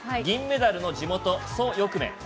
銀メダルの地元、蘇翊鳴。